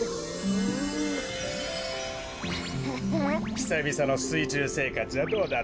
ひさびさのすいちゅうせいかつはどうだった？